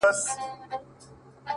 • چي اصل تصویر پټ وي ,